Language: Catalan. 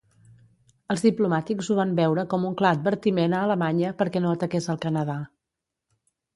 Els diplomàtics ho van veure com un clar advertiment a Alemanya perquè no ataqués al Canadà.